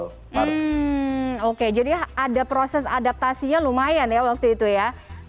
hmm oke jadi ada proses adaptasinya lumayan ya waktu itu ya